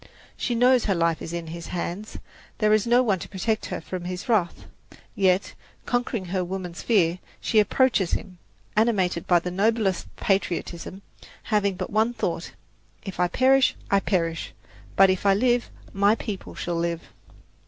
She knows her life is in his hands; there is no one to protect her from his wrath. Yet, conquering her woman's fear, she approaches him, animated by the noblest patriotism, having but one thought: "If I perish, I perish; but if I live, my people shall live."